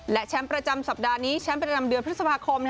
และแชมป์ประจำสัปดาห์นี้แชมป์ประจำเดือนพฤษภาคม